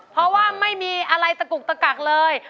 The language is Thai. เพราะว่าไม่มีอะไรตะกุกตะกักเลย